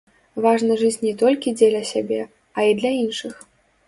Важна жыць не толькі дзеля сябе, а і для іншых.